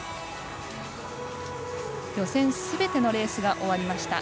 予選すべてのレースが終わりました。